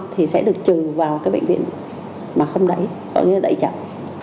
thì sẽ được trừ vào cái bệnh viện mà không đầy gọi nghĩa là đầy chậm